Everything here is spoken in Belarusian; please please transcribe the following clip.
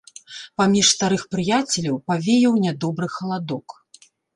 Паміж старых прыяцеляў павеяў нядобры халадок.